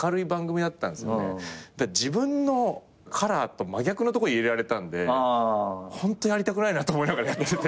自分のカラーと真逆のとこ入れられたんでホントやりたくないなと思いながらやってて。